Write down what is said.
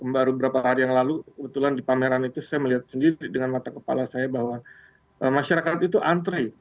baru beberapa hari yang lalu kebetulan di pameran itu saya melihat sendiri dengan mata kepala saya bahwa masyarakat itu antre